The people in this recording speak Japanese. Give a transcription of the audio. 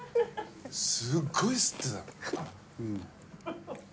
すっごい吸ってた。